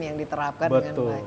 yang diterapkan dengan baik